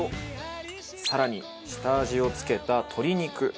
更に下味を付けた鶏肉。